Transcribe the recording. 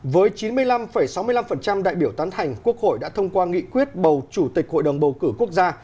với chín mươi năm sáu mươi năm đại biểu tán thành quốc hội đã thông qua nghị quyết bầu chủ tịch hội đồng bầu cử quốc gia